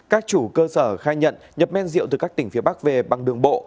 các chủ cơ sở khai nhận nhập men rượu từ các tỉnh phía bắc về bằng đường bộ